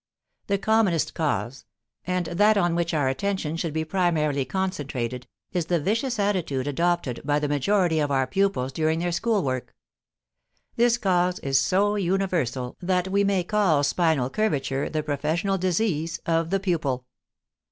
The commonest cause, and that on which our attention should be primarily concentrated, is the vicious attitude adopted by the majority of our pupils during their school work; this cause is so universal that we may call spinal curvature the professional disease of the pupil.